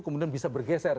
kemudian bisa bergeser